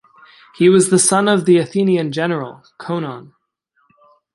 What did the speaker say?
He was the son of the Athenian general, Conon.